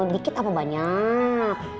dikit apa banyak